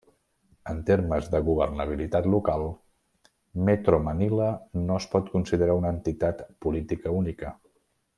En termes de governabilitat local, Metro Manila no es pot considerar una entitat política única.